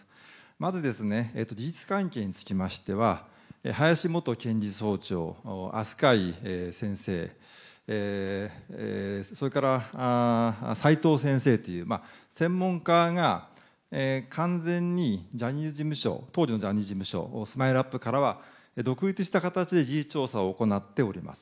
まずですね、事実関係につきましては、林元検事総長、飛鳥井先生、それから齋藤先生という、専門家が完全にジャニーズ事務所、当時のジャニーズ事務所、ＳＭＩＬＥーＵＰ．からは独立した形で事実調査を行っております。